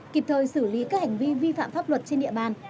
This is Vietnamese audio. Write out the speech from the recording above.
kịp thời xử lý các hành vi vi phạm pháp luật trên địa bàn